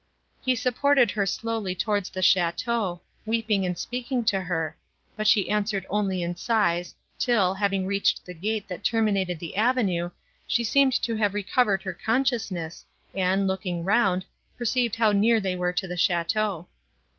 He supported her slowly towards the château, weeping and speaking to her; but she answered only in sighs, till, having reached the gate, that terminated the avenue, she seemed to have recovered her consciousness, and, looking round, perceived how near they were to the château.